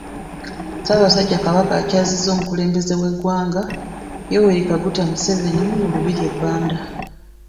Ssaabasajja Kabaka akyazizza omukulembeze w'eggwanga, Yoweri Kaguta Museveni mu lubiri e Banda.